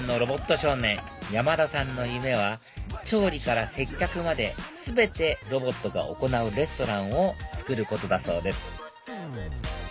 少年山田さんの夢は調理から接客まで全てロボットが行うレストランをつくることだそうです